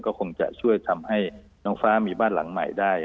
ก็คงจะช่วยทำให้น้องฟ้ามีบ้านหลังใหม่ได้